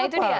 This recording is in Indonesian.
nah itu dia